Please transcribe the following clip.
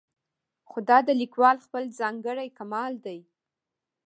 خو دا د لیکوال خپل ځانګړی کمال دی.